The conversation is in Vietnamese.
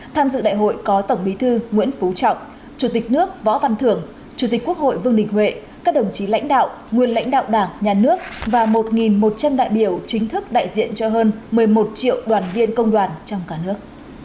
tham dự đại hội có tổng bí thư nguyễn phú trọng chủ tịch nước võ văn thưởng chủ tịch quốc hội vương đình huệ các đồng chí lãnh đạo nguyên lãnh đạo đảng nhà nước và một một trăm linh đại biểu chính thức đại diện cho hơn một mươi một triệu đoàn viên công đoàn trong cả nước